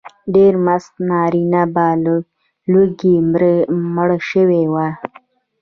ډېر مست نارینه به له لوږې مړه شوي وای.